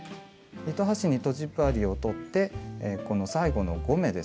糸端にとじ針をとってこの最後の５目ですね。